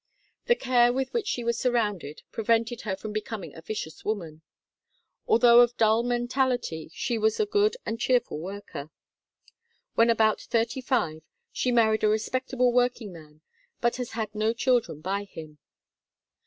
The care with which she was surrounded prevented her from becoming a vicious woman. Al though of dull mentality, she was a good and cheerful worker. When about thirty five, she married a respect able workingman but has had no children by him.